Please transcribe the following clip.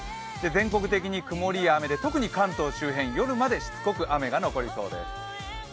全国的に曇りや雨で特に関東周辺、夜までしつこく雨が残りそうです。